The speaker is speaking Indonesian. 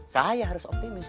saya harus optimis